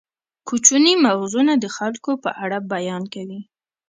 کوچني مغزونه د خلکو په اړه بیان کوي.